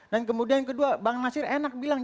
dan kemudian kedua bang nasir enak bilang